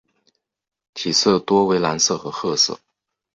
体色多为蓝色和褐色。